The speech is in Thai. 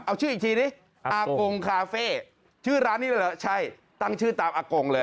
เอาชื่ออีกทีดิอากงคาเฟ่ชื่อร้านนี้เลยเหรอใช่ตั้งชื่อตามอากงเลย